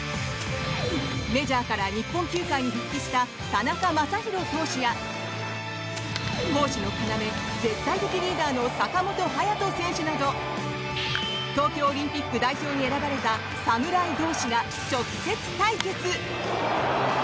メジャーから日本球界に復帰した田中将大投手や攻守の要、絶対的リーダーの坂本勇人選手など東京オリンピック代表に選ばれた侍同士が直接対決。